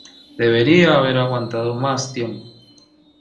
Debería haber aguantado más tiempo.